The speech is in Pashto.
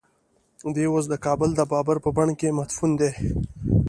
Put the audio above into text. دی اوس د کابل د بابر په بڼ کې مدفون دی.